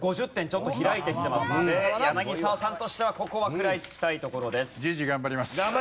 ちょっと開いてきてますので柳澤さんとしてはここは食らいつきたいところです。